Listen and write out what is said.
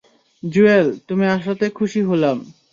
জুয়েল, তুমি আসাতে খুশি হলাম।